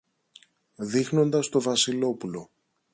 δείχνοντας το Βασιλόπουλο.